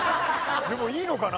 でもいいのかな？